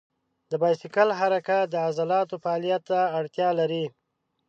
د بایسکل حرکت د عضلاتو فعالیت ته اړتیا لري.